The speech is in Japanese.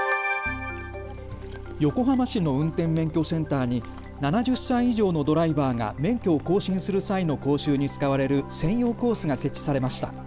横浜市の運転免許センターに７０歳以上のドライバーが免許を更新する際の講習に使われる専用コースが設置されました。